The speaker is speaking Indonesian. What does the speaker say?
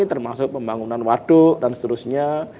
termasuk pembangunan waduk dan seterusnya